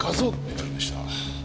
わかりました。